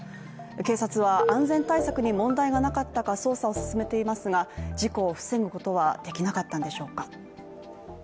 警察は安全対策に問題がなかったか捜査を進めていますが事故を防ぐことはできなかったんでしょうか。